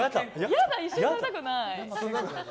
嫌だ、一緒にされたくない！